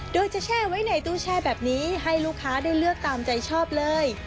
โดยจะแช่ไว้ในตู้แช่แบบนี้ให้ลูกค้าได้เลือกตามใจชอบเลย